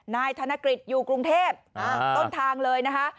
นายกฤษอยู่กรุงเทพต้นทางเลยนะคะ